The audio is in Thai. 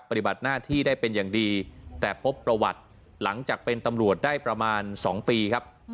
ปฏิบัติหน้าที่ได้เป็นอย่างดีแต่พบประวัติหลังจากเป็นตำรวจได้ประมาณ๒ปีครับ